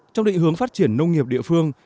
trong định hướng phát triển nông nghiệp địa phương